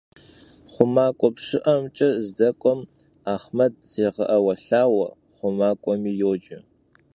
Xhumak'ue pşı'emç'e zdek'uem Ahmed zêğe'euelhaue, xhumak'uemi yoce.